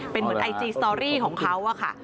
เป็นเหมือนไอจีสตอรี่ของเขาอะค่ะ